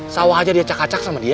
sawah aja dia cak cak sama dia